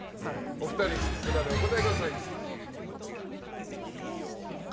お二人、札でお答えください。